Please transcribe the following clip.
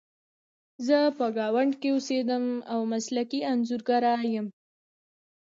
زه په ګاونډ کې اوسیدم او مسلکي انځورګره یم